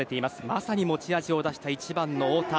まさに持ち味を出した１番の太田。